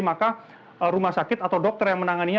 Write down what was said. maka rumah sakit atau dokter yang menanganinya